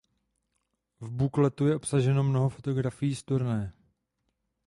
V bookletu je obsaženo mnoho fotografií z turné.